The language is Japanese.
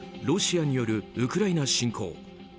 ロシアによるウクライナ侵攻。